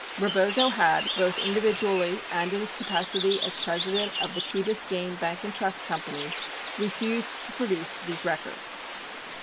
Rebozo had, both individually and in his capacity as president of the Key Biscayne Bank & Trust Co., refused to produce these records.